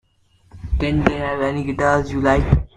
Didn't they have any guitars you liked?